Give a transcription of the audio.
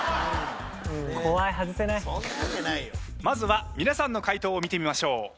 まずは皆さんの回答を見てみましょう。